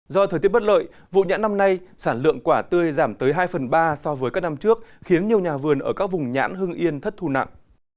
do thời tiết bất lợi vụ nhãn năm nay sản lượng quả tươi giảm tới hai phần ba so với các năm trước khiến nhiều nhà vườn ở các vùng nhãn hưng yên thất thu nặng